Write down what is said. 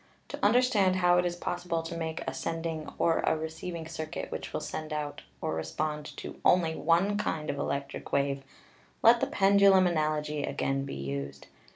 To understand how it is possible to make a sending or a receiving circuit which will send out or respond to only one kind of electric wave, let the pendulum analogy again be used.